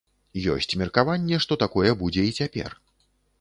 Ёсць меркаванне, што такое будзе і цяпер.